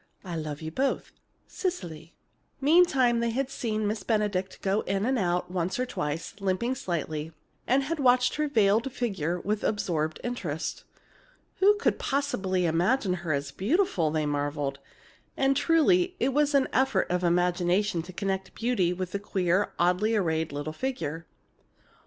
I love you both. CECILY. Meantime, they had seen Miss Benedict go in and out once or twice, limping slightly, and had watched her veiled figure with absorbed interest. "Who could possibly imagine her as beautiful!" they marveled. And truly, it was an effort of imagination to connect beauty with the queer, oddly arrayed little figure.